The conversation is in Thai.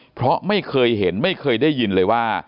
เพราะไม่เคยเห็นไม่เคยได้ยินเลยว่า